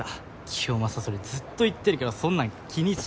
清正それずっと言ってるけどそんなん気にしないって。